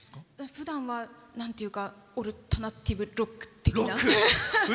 ふだんはオルタナティブロック的な。